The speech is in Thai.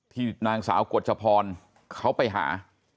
ที่นางสาวกฎชพรเขาไปหา